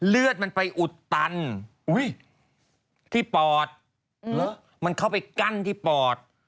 เลือดมันไปอุดตันที่ปอดมันเข้าไปกั้นที่ปอด